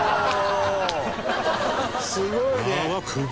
すごいね！